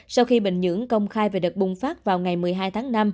sau khi bình nhưỡng công khai về đợt bùng phát vào ngày một mươi hai tháng năm